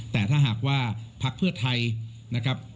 แต่ถ้าหากว่าพักเพื่อไทยนะครับ